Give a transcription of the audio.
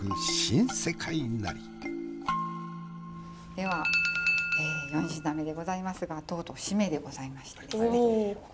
では四品目でございますがとうとう〆でございましてですね